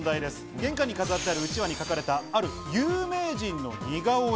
玄関に飾ってあるうちわに描かれたある有名人の似顔絵。